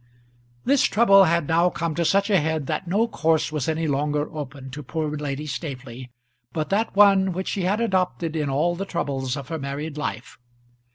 This trouble had now come to such a head that no course was any longer open to poor Lady Staveley, but that one which she had adopted in all the troubles of her married life.